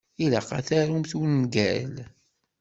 Ilaq ad tarumt ungal.